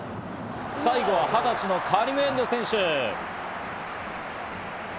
最後は２０歳のカリムエンド選手。